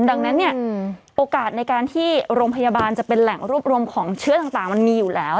ดังนั้นเนี่ยโอกาสในการที่โรงพยาบาลจะเป็นแหล่งรวบรวมของเชื้อต่างมันมีอยู่แล้ว